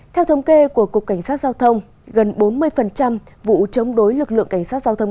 theo thống kê của cục cảnh sát giao thông gần bốn mươi vụ chống đối lực lượng cảnh sát giao thông